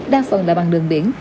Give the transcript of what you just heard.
đa phần là bằng đường biển